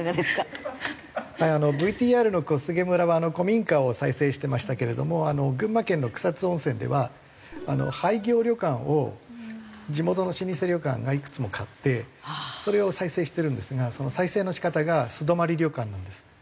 ＶＴＲの小菅村は古民家を再生してましたけれども群馬県の草津温泉では廃業旅館を地元の老舗旅館がいくつも買ってそれを再生してるんですがその再生の仕方が素泊まり旅館なんです。